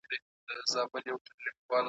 ستا د تروم له بد شامته جنګېدله .